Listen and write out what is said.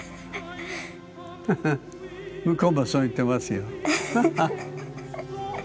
向こうもそう言ってますよ。